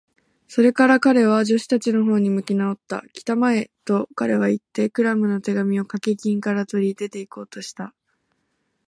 それから彼は、助手たちのほうに向きなおった。「きたまえ！」と、彼はいって、クラムの手紙をかけ金から取り、出ていこうとした。